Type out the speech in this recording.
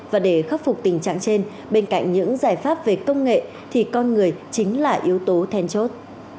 và để khắc phục tình trạng trên bên cạnh những giải pháp về công nghệ thì con người chính là yếu tố then chốt